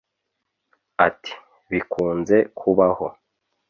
Ati ”Bikunze kubaho